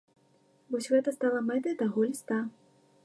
Вось гэта стала мэтай таго ліста.